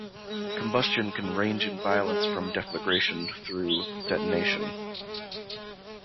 Combustion can range in violence from deflagration through detonation.